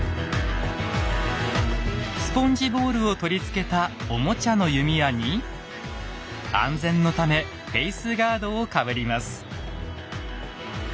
スポンジボールを取り付けたおもちゃの弓矢に安全のためフェイスガードをかぶります。